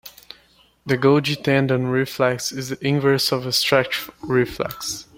The Golgi tendon reflex is the inverse of a stretch reflex.